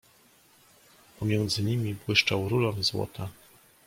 "Pomiędzy nimi błyszczał rulon złota."